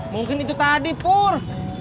mungkin itu tadi pur